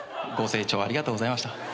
ご清聴ありがとうございました。